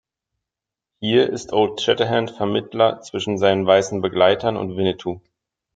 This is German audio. Hier ist Old Shatterhand Vermittler zwischen seinen weißen Begleitern und Winnetou.